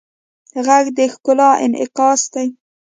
غږ د ښکلا انعکاس دی